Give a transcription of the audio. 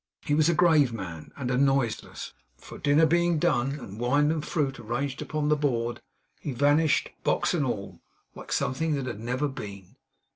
He was a grave man, and a noiseless; for dinner being done, and wine and fruit arranged upon the board, he vanished, box and all, like something that had never been.